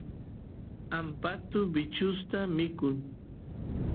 ampatu bichusta mikun